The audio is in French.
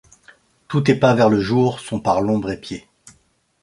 Tous tes pas vers le jour sont par l’ombre épiés.